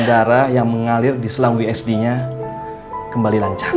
dan darah yang mengalir di selang wsd nya kembali lancar